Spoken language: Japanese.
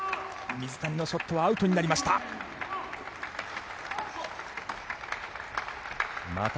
水谷のショットはアウトになりました。